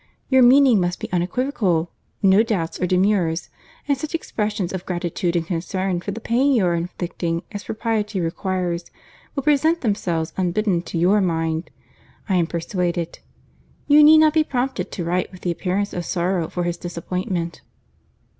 Your meaning must be unequivocal; no doubts or demurs: and such expressions of gratitude and concern for the pain you are inflicting as propriety requires, will present themselves unbidden to your mind, I am persuaded. You need not be prompted to write with the appearance of sorrow for his disappointment."